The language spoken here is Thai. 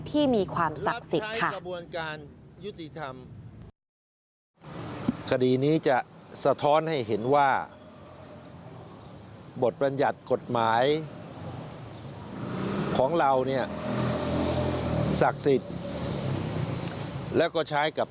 ที่มีความศักดิ์สิทธิ์ค่ะ